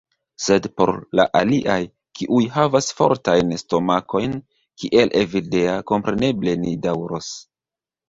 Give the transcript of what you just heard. Sed por la aliaj, kiuj havas fortajn stomakojn, kiel Evildea. Kompreneble, ni daŭros.